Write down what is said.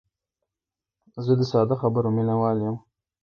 زه د ساده خبرو مینوال یم.